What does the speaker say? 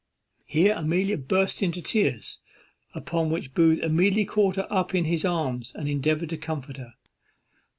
'" Here Amelia burst into tears, upon which Booth immediately caught her in his arms, and endeavoured to comfort her.